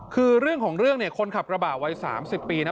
คือเรื่องของเรื่องเนี่ยคนขับกระบะวัย๓๐ปีนะ